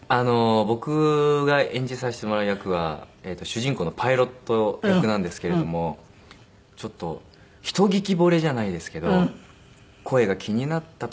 僕が演じさせてもらう役は主人公のパイロット役なんですけれどもちょっとひと聞き惚れじゃないですけど声が気になった